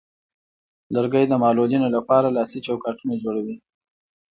لرګی د معلولینو لپاره لاسي چوکاټونه جوړوي.